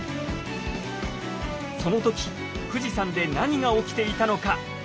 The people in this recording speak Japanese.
その時富士山で何が起きていたのか？